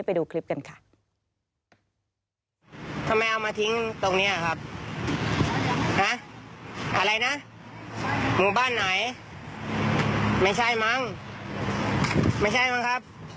ไปดูคลิปกันค่ะ